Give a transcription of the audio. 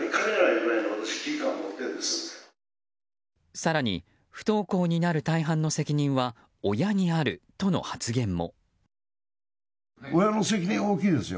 更に、不登校になる大半の責任は親にあるとの発言も。